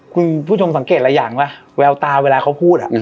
คุณผู้ชมสังเกตหลายอย่างว่าแววตาเวลาเขาพูด